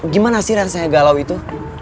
gimana sih rasanya galau itu